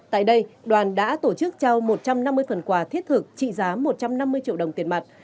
tại đây đoàn đã tổ chức trao một trăm năm mươi phần quà thiết thực trị giá một trăm năm mươi triệu đồng tiền mặt